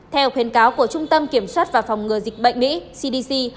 theo khuyến cáo của trung tâm kiểm soát và phòng ngừa dịch bệnh mỹ cdc